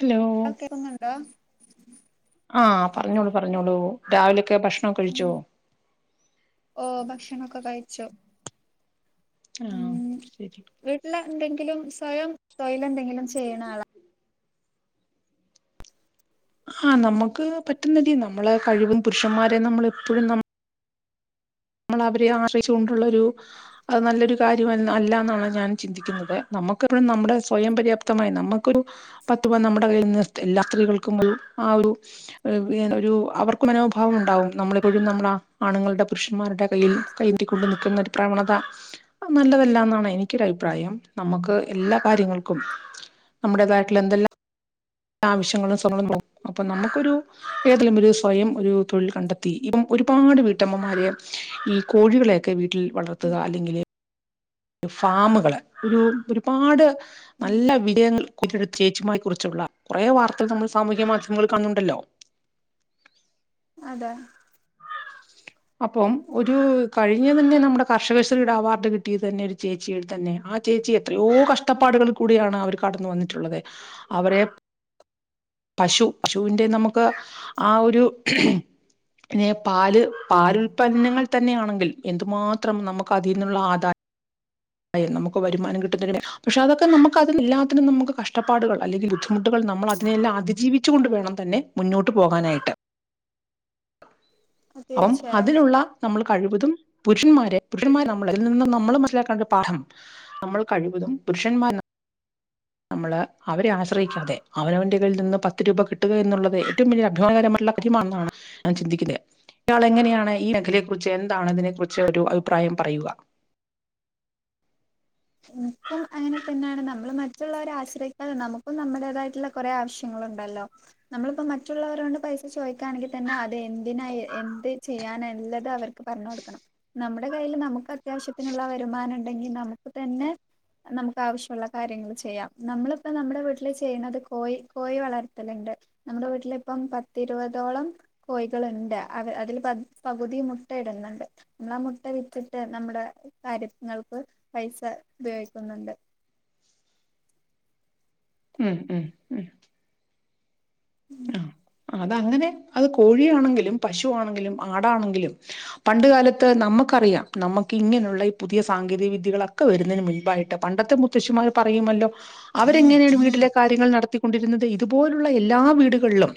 Hello ആഹ് കേക്കുന്നുണ്ടോ ആഹ് പറഞ്ഞോളൂ പറഞ്ഞോളൂ രാവിലെ ഉമ് ഓഹ് ഭക്ഷണൊക്കെ കഴിച്ചു ആഹ് ഉമ് ശരി വീട്ടിലെന്തെങ്കിലും സ്വയം തൊഴിലെന്തെങ്കിലും ചെയ്യണ ആളാ ആഹ് നമ്മക്ക് പറ്റുന്നിതിൽ നമ്മളെ കഴിവും പുരുഷന്മാരെ നമ്മളെപ്പഴും നമ്മ നമ്മളവരെ ആശ്രയിച്ചു കൊണ്ടുള്ളൊരു അത് നല്ലൊരു കാര്യം എന്ന് അല്ല എന്നാണ് ഞാൻ ചിന്തിക്കുന്നത് നാ നമുക്കെപ്പഴും നമ്മുടെ സ്വയം പര്യാപ്തമായി നമുക്കൊരു പത്ത് രൂപ നമ്മുടെ കയ്യിൽ നിർത്തി എല്ലാ സ്ത്രീകൾക്കും ഒരു ആഹ് ഒരു ഒരു ഏഹ് അവർക്ക് മനോഭാവം ഉണ്ടാവും നമ്മളെപ്പോഴും നമ്മുടെ ആണുങ്ങൾടെ പുരുഷ മാരുടെ കയ്യിൽ കയ്യേന്തിക്കൊണ്ടു നിക്കുന്ന ഒരു പ്രവണത അത് നല്ലതല്ലാന്നാണ് എനിക്കൊരു അഭിപ്രായം നമുക്ക് എല്ലാ കാര്യങ്ങൾക്കും നമ്മടേതായിട്ടൊളള എന്തെല്ലാം ആവശ്യങ്ങളും [unintelligible] അപ്പോ നമ്മക്കൊരു ഏതേലും ഒരു സ്വയം ഒരു തൊഴിൽ കണ്ടെത്തി ഇപ്പം ഒരുപാട് വീട്ടമ്മമാര് ഈ കോഴികളെയൊക്കെ വീട്ടിൽ വളർത്തുക അല്ലെങ്കില് ഫാമുകള് ഒരു ഒരുപാട് നല്ല വിജയങ്ങൾ [unintelligible] ചേച്ചിമാര് കുറിച്ചുള്ള കൊറേ വാർത്തകൾ നമ്മൾ സാമൂഹ്യ മാധ്യമങ്ങളിൽ കാണുന്നുണ്ടല്ലോ അതെ അപ്പം ഒരു കഴിഞ്ഞ തന്നെ നമ്മടെ കർഷകശ്രീടെ അവാർഡ് കിട്ടിയത് തന്നെ ഒരു ചേച്ചിതന്നെയാ ആ ചേച്ചി എത്രയോ കഷ്ടപ്പാടുകളിൽ കൂടിയാണ് അവര് കടന്ന് വന്നിട്ടുള്ളത് അവരെ പശു ശുവിന്റെ നമുക്ക് ആ ഒരു പിന്നെ പാല് പാലുൽപന്നങ്ങൾ തന്നെയാണെങ്കിൽ എന്തുമാത്രം നമുക്ക് അതീന്നുള്ള ആദാ യം നമുക്ക് വരുമാനം കിട്ടുന്നങ്ങനെ പഷേ അതൊക്കെ നമുക്ക് അതിനെല്ലാത്തിനും നമുക്ക് കഷ്ടപ്പാടുകൾ അല്ലെങ്കിൽ ബുദ്ധിമുട്ടുകൾ നമ്മൾ അതിനെയെല്ലാം അതിജീവിച്ചു കൊണ്ട് വേണം തന്നെ മുന്നോട്ട് പോകാനായിട്ട് അപ്പം തീർച്ചയായും അതിനുള്ള നമ്മള് കഴിവതും പുരുഷന്മാരെ പുരുഷന്മാർ നമ്മളെ ഇതിൽ നിന്നും നമ്മള് മനസ്സിലാക്കേണ്ട പാഠം നമ്മൾ കഴിവതും പുരുഷന്മാ നമ്മള് അവരെ ആശ്രയിക്കാതെ അവനവന്റെ കയ്യിൽ നിന്ന് പത്ത് രൂപ കിട്ടുക എന്നുള്ളത് ഏറ്റവും വലിയ അഭിമാകരമായ ളള കാര്യമാണെന്നാണ് ഞാൻ ചിന്തിക്കുന്നെ ഇയാൾ എങ്ങനെയാണ് ഈ മേഖലയെക്കുറിച്ച് എന്താണ് ഇതിനെ കുറിച്ച് ഒരു അഭിപ്രായം പറയുക എൻക്കും അങ്ങനെ തന്നാണ് നമ്മള് മറ്റുള്ളവരെ ആശ്രയിക്കാതെ നമുക്കും നമ്മുടേതായിട്ടുള്ള കൊറേ ആവശ്യങ്ങള് ണ്ടല്ലോ നമ്മളിപ്പോ മറ്റുള്ളവരോണ്ട് പൈസ ചോദിക്കാണെങ്കിൽ തന്നെ അത് എന്തിനായി എന്ത് ചെയ്യാനാ എല്ലത് അവർക്ക് പറഞ്ഞു കൊടുക്കണം നമ്മുടെ കയ്യില് നമുക്ക് അത്യാവശ്യത്തിനുള്ള വരുമാനം ഉണ്ടെങ്കിൽ നമു ക്കു തന്നെ നമുക്ക് ആവശ്യള്ള കാര്യങ്ങള് ചെയ്യാം നമ്മളിപ്പോ നമ്മുടെ വീട്ടില് ചെയ്യണത് കോയി കോഴിവളർത്തലന്നെ നമ്മുടെ വീട്ടിലി പ്പം പത്തിരുവതോളം കോയികൾണ്ട് അത് അതിൽ പകുതി പകുതിം മു മുട്ട യിടുന്നൊണ്ട് ന്നാ മുട്ട വിറ്റിട്ട് നമ്മുടെ കാര്യങ്ങൾക്ക് പൈസ ഉപയോഗിക്കുന്നുണ്ട് ഉമ് ഉമ് ഉമ് ഉമ് അതങ്ങനെയാ അത് കോഴിയാണെങ്കിലും പശു ആണെങ്കിലും ആടാണെങ്കിലും പണ്ട് കാലത്ത് നമ്മ ക്കറിയാം നമുക്ക് ഇങ്ങനൊള്ള ഈ പുതിയ സാങ്കേതിക വിദ്യകളൊക്കെ വരുന്നേന് മുൻപായിട്ട് പണ്ടത്തെ മുത്തശ്ശിമാര് പറയും ല്ലോ അവരെങ്ങനെയാണ് വീട്ടിലെ കാര്യങ്ങൾ നടത്തിക്കൊണ്ടിരുന്നത് ഇതുപോലുള്ള എല്ലാ വീടുകളിലും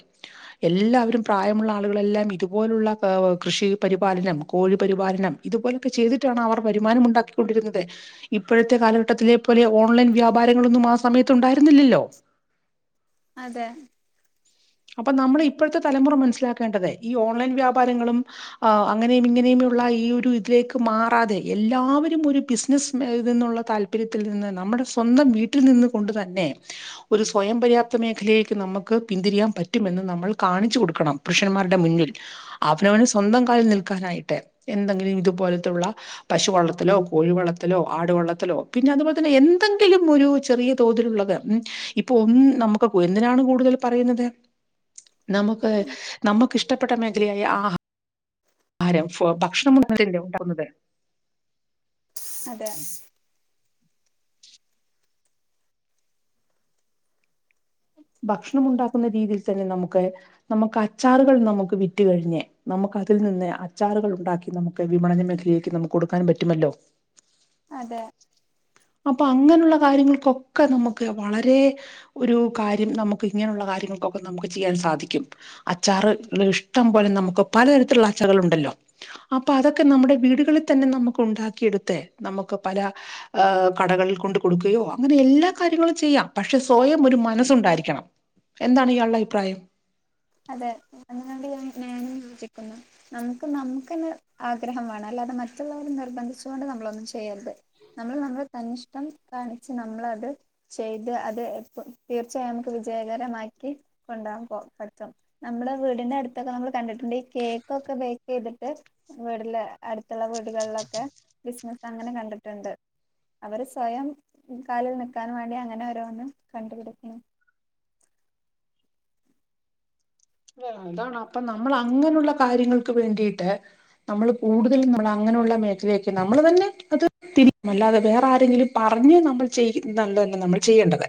എല്ലാവരും പ്രായമുള്ള ആളുകളെല്ലാം ഇതുപോലുള്ള ഏഹ് കൃഷി പരിപാലനം കോഴി പരിപാലനം ഇതുപോലൊക്കെ ചെയ്തിട്ടാണോ അവർ വരുമാനം ഉണ്ടാക്കിക്കൊണ്ടിരുന്നത് ഇപ്പോഴത്തെ കാലഘട്ടത്തിലെ പോലെ ഓൺലൈൻ വ്യാപാ പാരങ്ങളൊന്നും ആ സമയത്ത് ഉണ്ടായിരുന്നില്ല ല്ലോ അതെ അപ്പൊ നമ്മടെ ഇപ്പോഴത്തെ തലമുറ മനസ്സിലാക്കേണ്ടത് ഈ ഓൺലൈൻ വ്യാപാരങ്ങളും ആഹ് അങ്ങനെയും ഇങ്ങനെയും ള്ള ഈ ഒരു ഇതിലേക്ക് മാറാതെ എല്ലാവരും ഒരു ബിസിനസ് ഇത് നുള്ള താല്പര്യത്തിൽ നിന്ന് നമ്മ നമ്മടെ സ്വന്തം വീട്ടിൽ നിന്ന് കൊണ്ട് തന്നെ ഒരു സ്വയം പര്യാപ്ത മേഖലയിലേക്ക് നമുക്ക് പിന്തിരിയാൻ പറ്റുമെന്ന് നമ്മൾ കാണിച്ചു കൊടുക്കണം പുരുഷന്മാരുടെ മുന്നിൽ അവനവന് സ്വന്തം കാലിൽ നിൽക്കാനായിട്ട്. എന്തെങ്കിലും ഇതുപോലത്തുള്ള പശുവളർത്തലോ കോഴിവളർത്തലോ ആടുവളർത്തലോ പിന്നെ അതുപോലെ തന്നെ എൻ എന്തെങ്കിലും ഒരു ചെറിയ തോതിലുള്ളത് ഉമ് ഇപ്പൊ ഒന്ന് നമുക്ക് എന്തിനാണ് കൂടുതൽ പറയുന്നത്. നമുക്ക് നമുക്ക് ഇഷ്ടപ്പെട്ട മേഖലയായ ആഹ് ആരം ഫോ ഭക്ഷണം. [unintelligible] ഉണ്ടാവുന്നത് [unintelligible] ഭക്ഷണം ഉണ്ടാക്കുന്ന രീതിയിൽ തന്നെ നമുക്ക് നമുക്ക് അച്ചാറുകൾ നമുക്ക് വിറ്റ് കഴിഞ്ഞ് നമു അതിൽ നിന്ന് അച്ചാറുകൾ ഉണ്ടാക്കി നമുക്ക് വിപണന മേഖലയിലേക്ക് നമുക്ക് കൊടുക്കാൻ പറ്റുമല്ലോ? അതെ അപ്പൊ അങ്ങനുള്ള കാര്യങ്ങൾക്കൊക്കെ നമുക്ക് വളരെ ഒരു കാര്യം നമുക്ക് ഇങ്ങനെയുള്ള കാര്യങ്ങ ഒക്കെ നമുക്ക് ചിയ്യാൻ സാധിക്കും അച്ചാറ് ഇഷ്ടം പോലെ നമുക്ക് പലതരത്തിലുള്ള അച്ചാറുകളുണ്ടല്ലോ? അപ്പൊ അതൊക്കെ നമ്മുടെ വീടുകളിൽ തന്നെ നമുക്ക് ഉണ്ടാക്കിയെടുത്തേ നമുക്ക് പല ഹ് കടകളിൽ കൊണ്ട് കൊടുക്കുകയോ അങ്ങനെ എല്ലാ കാര്യങ്ങളും ചെയ്യാം പക്ഷെ സ്വയം ഒരു മനസ്സുണ്ടായിരിക്കണം. എന്താണ് ഇയാൾടെ അഭിപ്രായം. അതെ അതിനോട് ഞാൻ ഞാനും യോചിക്കുന്നു നമുക്ക് നമുക്കെന്നെ ആഗ്രഹം വേണല്ലെ? അത് മറ്റുള്ളവർ നിർബന്ധിച്ചുകൊണ്ട് നമ്മളൊന്നും ചെയ്യരുത് നമ്മൾ നമ്മുടെ തന്നിഷ്ടം കാണിച്ച് നമ്മള ത് ചെയ്ത് അത് പ് തീർച്ചയായും നംക്ക് വിജയകരമാക്കി കൊണ്ടാ പൊ നമ്മള് വീടിന്റെ അടുത്തൊക്കെ നമ്മള് കണ്ടിട്ടുണ്ട് ഈ കേക്കൊക്കെ ബേക്ക് ചെയ്തിട്ട് വീടില് അട് ടുത്തുള്ള വീടുകളിലൊക്കെ ബിസിനസ് അങ്ങനെ കണ്ടിട്ടുണ്ട്. അവര് സ്വയം കാലിൽ നിക്കാൻ വേണ്ടി അങ്ങനെ ഓരോന്ന് കണ്ടുപിടിക്കുന്നു. [inaudible] ഇത് ഇതാണപ്പൊ നമ്മൾ അങ്ങനുള്ള കാര്യങ്ങൾക്ക് വേണ്ടിട്ട് നമ്മള് കൂടുതലുന്നുള്ളങ്ങ നുള്ള മേഖലയൊക്കെ നമ്മള് തന്നെ അത് തിരി അല്ലാതെ വേറാരെങ്കിലും പറഞ്ഞ് നമ്മൾ ചെയ്യുന്നല്ല നമ്മൾ ചെയ്യേണ്ടത്.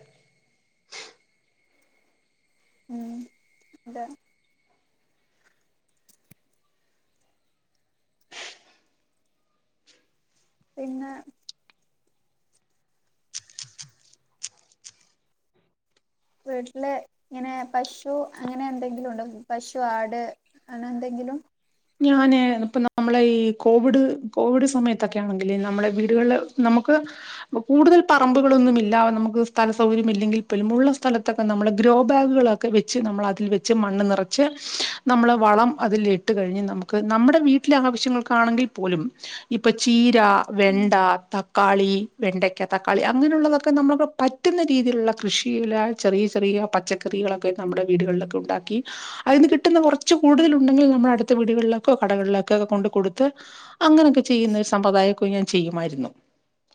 [inaudible] ഉം അതാ പിന്നെ വീട്ടില് ഇങ്ങനെ പശു അങ്ങനെ എന്തെങ്കിലുണ്ടോ? പശു ആട് അങ്ങനെ എന്തെ ങ്കിലും ഞാന് ഇപ്പ നമ്മളെ ഈ കോവിഡ് കോവിഡ് സമയത്തൊക്കെ ആണെങ്കില് നമ്മളെ വീടുകളില് നമുക്ക് പ്പൊ കൂടുതൽ പറമ്പുകളൊന്നും ഇല്ല നമുക്ക് സ്ഥല സൗകര്യം ഇല്ലെങ്കിൽ പി ഉള്ള സ്ഥലൊക്കെ നമ്മള് ഗ്രോ ഗ്രോബാഗുകളൊക്കെ വെച്ച് നമ്മളതിൽ വെച്ച് മണ്ണ് നിറച്ച് നമ്മള് വളം അതിൽ ഇട്ട് കഴിഞ്ഞ് നമുക്ക് നമ്മുടെ വീട്ടിലെ ആവശ്യങ്ങൾക്കാണെങ്കിൽ പോലും ഇപ്പോ ചീര, വെണ്ട, ത ക്കാളി, വെണ്ടക്ക തക്കാളി അങ്ങനോള്ളതൊക്കെ നമുക്ക് പറ്റുന്ന രീതിയിലുള്ള കൃഷിയില ചെറിയ ചെറി യ പച്ചക്കറികളൊക്കെ നമ്മുടെ വീടുകളിലൊക്കെ ഉണ്ടാക്കി അതിന്ന് കിട്ടുന്ന കൊറച്ച് കൂടുതൽ ഉണ്ടെങ്കിൽ നമ്മൾ അടുത്ത വീ ടുകൾക്കോ കടകളിലൊക്ക ഒക്കെ കൊണ്ട് കൊടുത്ത് അങ്ങനെക്കെ ചെയ്യുന്ന ഒരു സമ്പ്രദായക്കൊ ഞാൻ ചെയ്യുമാരുന്നു.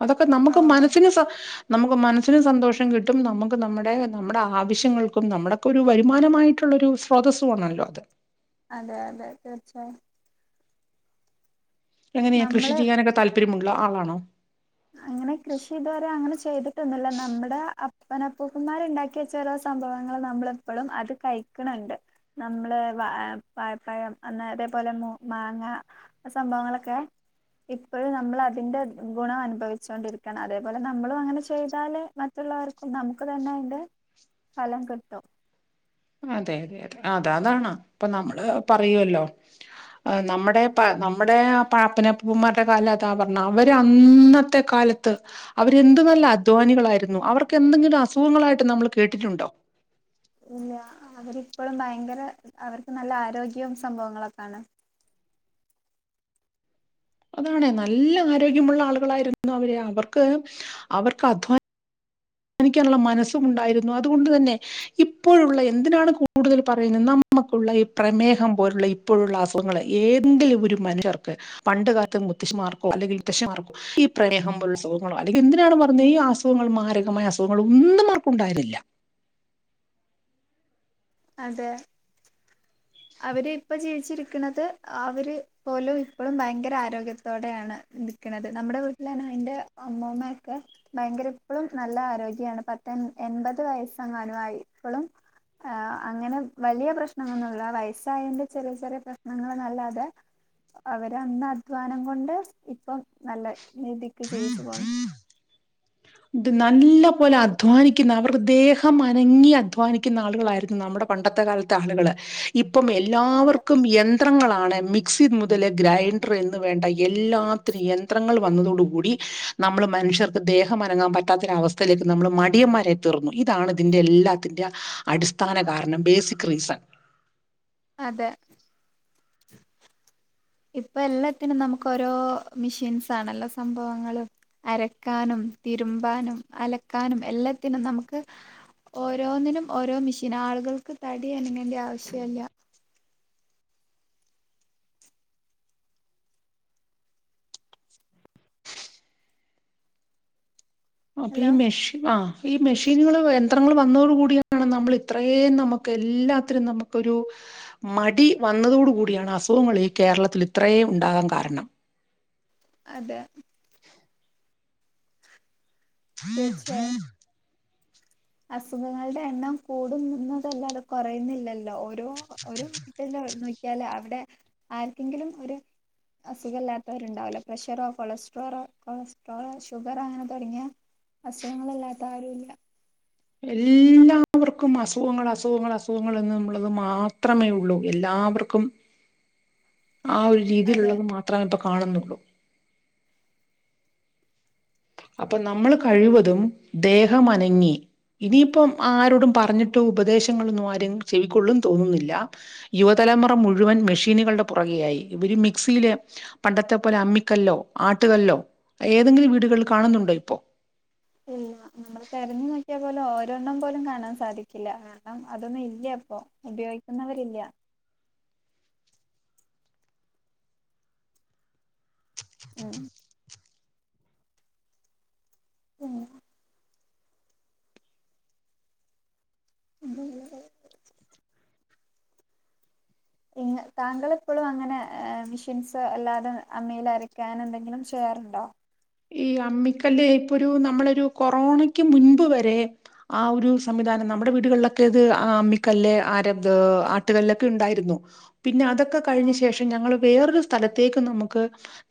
അതൊക്കെ ഓ നമുക്ക് മനസ്സിന് സ നമുക്ക് മനസ്സിന് സന്തോഷം കിട്ടും നമുക്ക് നമ്മുടെ നമ്മുടെ ആവശ്യങ്ങൾക്കും നമ്മുടോക്കെ ഒരു വരുമാനമായിട്ടു ള്ളൊരു സ്രോതസ്സുവാണല്ലോ അത്. അതെ അതെ തീർച്ചയായും. എങ്ങനെയാ കൃഷി നമ്മള് ചെയ്യാനൊക്കെ താല്പര്യമുള്ള ആളാണോ? അങ്ങനെ കൃഷി ഇതുവരെ അങ്ങനെ ചെ ചെയ്തിട്ടൊന്നുല്ല നമ്മടെ അപ്പനപ്പൂപ്പന്മാർണ്ടാക്കിയ ചെല സംഭവങ്ങള് നമ്മളെപ്പോഴും അത് കഴി ക്കണ് ണ്ട് നമ്മള് വാഴപ്പഴം അന്നേരപ്പോലെ മാങ്ങ അ സംഭവങ്ങളൊക്കെ ഇപ്പഴും നമ്മൾ അതിന്റെ ഗുണം അ അനുഭവിച്ചൊണ്ടിരിക്കയാണ് അതേപോലെ നമ്മളും അങ്ങനെ ചെയ്താല്േ മറ്റുള്ളവർക്കും നമുക്ക് തന്നെ അതിൻറെ ഫലം കിട്ടും. അതെ അതെ അതെ അത അതാണ് ഇപ്പൊ നമ്മള് പറയല്ലോ നമ്മുടെ നമ്മുടെ പാപ്പ നപ്പൂപ്പന്മാരുടെ കാലം അതാ പറഞ്ഞ അവര് അന്നത്തെ കാല ത്ത് അവരെന്ത് നല്ല അധ്വാനികളായിരുന്നു അവർക്ക് എന്തെങ്കിലും അസുഖങ്ങളായിട്ട് നമ്മൾ കേട്ടിട്ടുണ്ടോ? ഇല്ല അവരിപ്പോഴും ഭയങ്കര അവർക്ക് നല്ല ആരോഗ്യവും സംഭവങ്ങളൊക്കാണ് അതാണ് നല്ല ആരോഗ്യമുള്ള ആളുകളായിരുന്നു അവര് അവർക്ക് അവർക്ക് അധ്വാന- നിക്കാനുള്ള മനസ്സും ഉണ്ടായിരുന്നു. അതുകൊണ്ട് തന്നെ ഇപ്പോഴുള്ള എന്തിനാണ് കൂടുതൽ പറയുന്നത് ന- ക്കഈ പ്രമേഹം പോലുള്ള ഇപ്പോഴുള്ള അസുഖങ്ങൾ ഏെങ്കിലും ഒരു മനുഷർക്ക് പണ്ട കാലത്തും- ർക്ക അല്ലെർക്കോ ഈ പ്രമേഹംൾ അസുഖോ അല്ലെങ്ക എന്തിനാണ് പറഞ്ഞത് ഈ അസുഖങ്ങൾ മായ അസുഖങ്ങൾ ഒന്നും ആർക്കുണ്ടായിുന്നില്ല അതെ. അവര് ഇപ്പൊ ജീവിച്ചിരിക്കുന്നത് അവര് പോലും ഇപ്പോഴും ഭയങ്കര ആരോഗ്യത്തോടെയാണ് നിൽക്കുന്നത് നമ്മുടെ വീട്ടിലന്ന അതിന്റെ അമ്മമ്മയൊക്കെ ഭയങ്കര എപ്പോഴും നല്ല ആരോഗ്യമാണ് പ എൺപത് വയസ്സങ്ങാനുംയപ്പോഴും അങ്ങനെ വലിയ പ്രശ്നങ്ങന്നുള്ളയ- വ്യസായന്റെ ചെറിയ ചെറിയ പ്രശ്നങ്ങൾ നല്ലാതെ അവര് അന്ന് അധ്വാനം കൊണ്ട് ഇപ്പം നല്ല രീതിക്ക് ജീവിച്ചു പോണ്‌ ഇത് നല്ല പോലെ അധ്വാനിക്കുന്ന അവർടെ ദേഹം അനങ്ങി അധ്വാനിക്കുന്ന ആളുകളായിരുന്നു നമ്മുടെ, - പണ്ടത്തെ കാലത്തെ ആളുകള് ഇ ഇപ്പം അതെ എല്ലാവർക്കും യന്ത്രങ്ങളാണ് മിക്സി മുതൽ ഗ്രൈൻഡർ എന്ന് വേണ്ട എല്ലാത്തിന യന്ത്രങ്ങൾ വന്നതോട കൂടി നമ്മൾ മനുഷ്യർക്ക് ദേഹ- മറങ്ങാൻ പറ്റാത്തൊര അവസ്ഥയിലേക്ക് നമ്മൾ മടിയന്മാരെ തീന്നു ഇതാണ് ഇതിന്റെ എല്ലാത്തിന്റെ അടിസ്ഥാന- കാരണം ബേസിക് റീസൺ അതെ. ഇപ്പൊ എല്ലാത്തിനും നമുക്ക് ഓരോ മെഷീൻസാണ് എല്ലാ സംഭവങ്ങളും അരക്കാനും തിരുമ്പാനും അലക്കാനും എല്ലാത്തിനും നമുക്ക്- ഓരോന്നിനും ഓരോ മിഷീൻ ആളുകൾക്ക് തടി അനങ്ങേണ്ട ആവശ്യല്ല അപ്പൊ ഈ ഹലോ മെഷ ആ ഈ മെഷീനുകൾന്ത പത്രങ്ങൾ വന്നതോട കൂടിയാണ് നമ്മൾ ഇത്രയും നമുക്ക് എല്ലാത്തിനും നമുക്കരു മടി വന്നതോടുകൂടിയാണ് അസുഖങ്ങള് ഈ കേരളത്തില് ഇത്രേ ഉണ്ടാകാന് കാരണം. അതെ. തീർച്ചയായും അസുഖങ്ങളുടെ എണ്ണം കൂടുന്നതല്ലാത കുറയുന്നില്ലല്ലോ ഓരോട്ട നോക്കിയാല് അവിടെ ആർക്കെങ്കിലും ഒരു- അസുഖമല്ലാത്തവരുണ്ടാവില്ല പ്രഷറോ കൊളസ്ട്രോളോ കൊളസ്ട്രോൾോ ഷുഗർോ അങ്ങനെ തുടങ്ങിയ അസുഖങ്ങളല്ലാത്ത ആരുും ഇല്ല എല്ലാവർക്കും അസുഖങ്ങൾ അസുഖങ്ങൾ അസുഖങ്ങൾ എന്ന നുള്ളത് മാത്രമേ ഉള്ളൂ എല്ലാ- എല്ലാവർക്കും ആ ഒരു അതെ രീതിയിലുള്ളത് മാത്രമേ ഇപ്പ കാണുന്നുള്ളൂ അപ്പൊ നമ്മൾ കഴിവതും ദേഹമനങ്ങി- ഇനിയിപ്പം ആരോടും പറഞ്ഞിട്ട് ഉപദേശങ്ങളൊന്നും ആര ചെവിക്കൊള്ളും തോന്നുന്നില്ല യുവത- തലമുറം മുഴുവൻ മെഷീനുകളുടെ പുറകെയായി ഇ മിക്സിെ പണ്ടത്തെ പോലെ അമ്മിക്കല്ലോ ആട്ട- ല്ലോ ഏതെങ്കിലും വീടുകിൽ കാണുന്നുണ്ടോ ഇപ്പോ ഇല്ല നമ്മള് തതിരഞ്ഞു നോക്കിയ അതുപോലെ ഓരോണ്ണം പോലും കാണാൻ സാധിക്കില്ല കാരണം അതൊന്നും ഇല്ല അപ്പോൊ ഉപയോഗിക്കുന്നവരില്ല ഉം ഉഹ ഉ എങ്ങ താങ്കൾെപ്പോഴും അങ്ങനെ മെഷീൻസ് അല്ലാതെ അമ്മൽ അരക്കാൻ എന്തെങ്കിലും ചെയ്യാറുണ്ടോ ഈ അമ്മിക്കല് ഇപ്പൊ ഒരു നമ്മളൊരു കൊറോണക്ക് മുൻപ് വരെ ആ ഒരു സംവിധാനം നമ്മുടെ വീടുകളിലൊക്കെ ഇത് ആ അമ്മിക്കല്ലല് ആര ആട്ടുകല്ലൊക്കെ ഉണ്ടായിരുന്നു പിന്നെ അതൊക്കെ കഴിഞ്ഞ ആഹ് ശേഷം ഞങ്ങൾ വേറൊരു സ്ഥലത്തേക്കും നമുക്ക്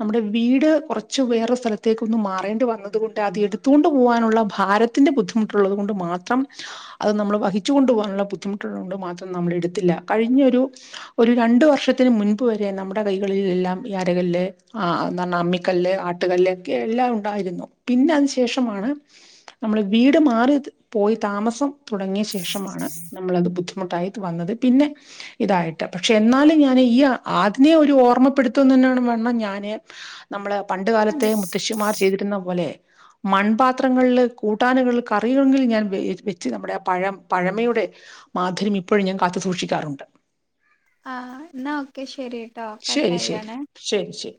നമ്മുടെ വീട് കുറച്ച് വേറ സ്ഥല ത്തേൊ മാറേണ്ടി വന്നതുക കൊണ്ട് അത് എടുത്തുകൊണ്ട് പോകാനുള്ള ഭാരത്തിന്റെ ബുദ്ധിമുട്ടുള്ളത് കൊണ്ട് മാത്രം അത് നമ്മൾ വഹിച്ചു കൊണ്ടു പോകാനുള്ള ബുദ്ധിമുട്ടുകള കൊണ്ട് മാത്രം നമ്മൾ എടുത്തില്ല കഴിഞ്ഞ ഒരു ഒരു രണ്ട വർഷം വർക്ഷത്തിന് മുൻപ് വരെ നമ്മുടെ കൈകളിൽ എല്ലാം ഈ അരകല്ല് ആ എന്ത പറഞ്ഞൽ അമ്മിക്കല്ല് ആട്ടുകല്ല് എല്ലാം ഉണ്ടായിരുന്നു പിന്നെ അതിനന് ശേഷമാണ് നമ്മൾ വീട് മാറി പോയി താമസം തുടങ്ങിയ ശേഷമാണ് നമ്മളത് ബുദ്ധിമുട്ടായി വന്നത് പിന്നെ ഇതായിട്ട് പക്ഷെ എന്നാലും ഞാൻ ഈ ആതിനെ ഒരു ഓർമ്മപ്പെടുത്ത തന്നെയാണ് എണം ഞാന് നമ്മള് പണ്ട കാലത്തെ മുത്തശ്ശിമാർ ചെയ്തിരുന്ന പോലെ മൺപാത്രങ്ങളില് കൂട്ടാനകിൽ കറിയുമെങ്കിൽ ഞാൻ വെച്ച് നമ്മുടെ ആ പഴം പഴമയുടെ മാധുരിം ഇപ്പോഴും ഞാൻ കാത്തു സൂക്ഷിക്കാറുണ്ട് ആഹ് എന്നാ ക്കെ ശെരി കേട്ടോ ശരി കട്ടായി ശരി ആാണ് ശരി ശരി